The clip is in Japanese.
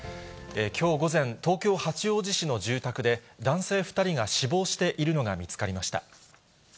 きょう午前、東京・八王子市の住宅で、男性２人が死亡しているのが見つかりました。